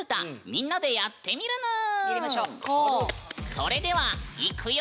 それではいくよ！